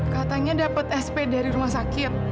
katanya dapat sp dari rumah sakit